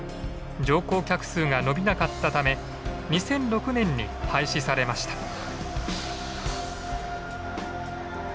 乗降客数が伸びなかったため２００６年に廃止されました。